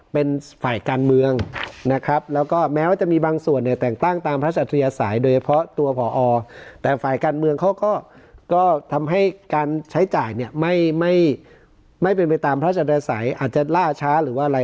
ไม่เป็นไปตามพระอาจารยาใสอาจจะล่าช้าหรือว่าอะไร